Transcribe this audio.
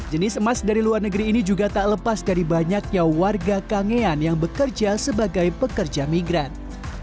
jenis emas dari luar negeri ini juga tak lepas dari banyaknya warga kangean yang bekerja sebagai pekerja migran